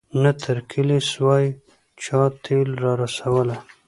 نه تر کلي سوای چا تېل را رسولای